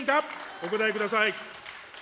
お答えください。